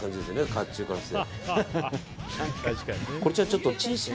甲冑からして。